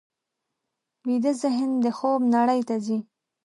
ویده ذهن د خوب نړۍ ته ځي